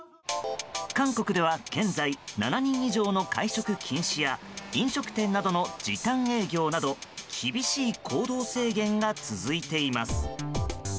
韓国では現在、７人以上の会食禁止や飲食店の時短営業など厳しい行動制限が続いています。